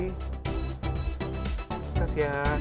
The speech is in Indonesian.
terima kasih ya